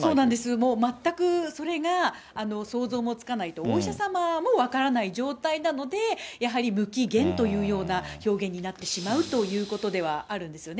もう全くそれが想像もつかないと、お医者様も分からない状態なので、やはり無期限というような表現になってしまうということではあるんですよね。